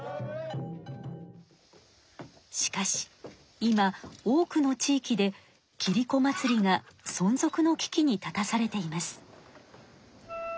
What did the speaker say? しかし今多くの地域でキリコ祭りがそん続の危機に立たされています。